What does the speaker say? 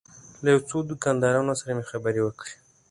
له یو څو دوکاندارانو سره مې خبرې وکړې.